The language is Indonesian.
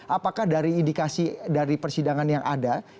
apakah dari persidangan yang ada